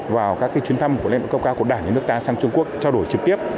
vào các chuyến thăm của lãnh đạo cấp cao của đảng nước ta sang trung quốc trao đổi trực tiếp